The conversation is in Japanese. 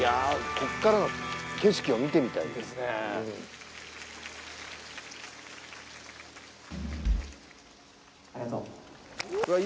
ここからの景色を見てみたいですねうわ